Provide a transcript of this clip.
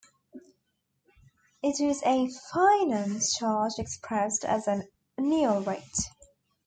It is a finance charge expressed as an annual rate.